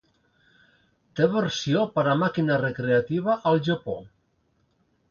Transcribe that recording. Té versió per a màquina recreativa al Japó.